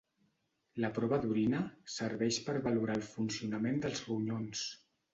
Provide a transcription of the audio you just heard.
La prova d'orina serveix per valorar el funcionament dels ronyons.